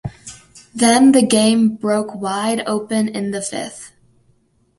Then the game broke wide open in the fifth.